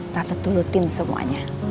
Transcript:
tante turutin semuanya